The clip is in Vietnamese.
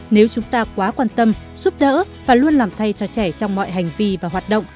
nếu chúng ta quá quan tâm giúp đỡ và luôn làm thay cho trẻ trong mọi hành vi và hoạt động